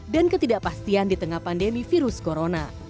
dan ketidakpastian di tengah pandemi virus corona